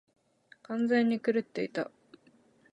完全に狂っていた。